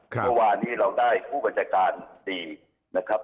เมื่อวานนี้เราได้ผู้บัญชาการ๔นะครับ